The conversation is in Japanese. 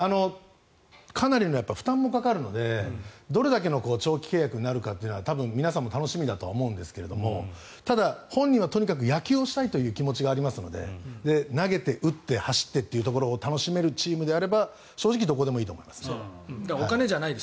かなり負担もかかるのでどれだけの長期契約になるかは多分皆さんも楽しみだと思うんですが本人はとにかく野球をしたいという気持ちがありますから投げて打って走ってというところを楽しめるチームであれば正直どこでもいいと思います。